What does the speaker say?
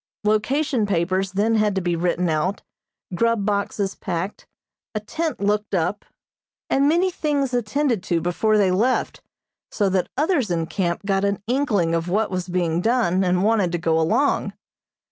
Location papers then had to be written out, grub boxes packed, a tent looked up, and many things attended to before they left, so that others in camp got an inkling of what was being done and wanted to go along.